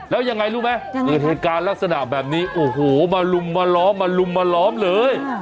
แล้วอย่างไงรู้มั้ยมันเห็นการลักษณะแบบนี้โอ้โหมะลุมมะล้อมมะลุมมะล้อมเลย